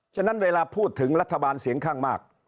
ฉะนั้นเวลาพูดถึงรัฐบาลเสียงข้างมาก